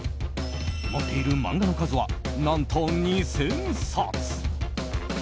持っている漫画の数は何と２０００冊。